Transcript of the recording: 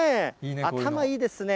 頭いいですね。